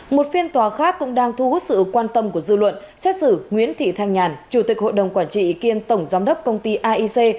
một phiên tòa khác cũng đang thu hút sự quan tâm của dư luận xét xử nguyễn thị thanh nhàn chủ tịch hội đồng quản trị kiêm tổng giám đốc công ty aic